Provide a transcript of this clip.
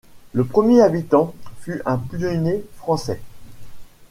Le premier habitant fut un pionnier français.